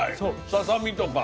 ささ身とか。